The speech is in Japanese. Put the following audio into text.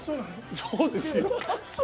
そうですよ。